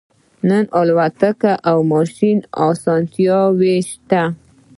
نن الوتکه او ماشین او اسانتیاوې شته